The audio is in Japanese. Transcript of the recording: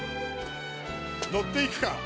乗っていくか？